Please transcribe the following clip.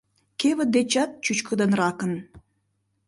Кевыт дечат чӱчкыдынракын.